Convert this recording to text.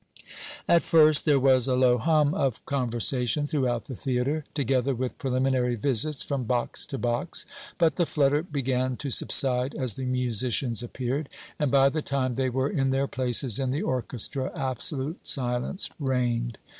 At first there was a low hum of conversation throughout the theatre, together with preliminary visits from box to box, but the flutter began to subside as the musicians appeared, and by the time they were in their places in the orchestra absolute silence reigned.